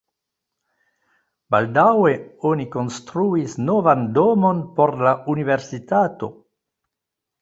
Baldaŭe oni konstruis novan domon por la universitato.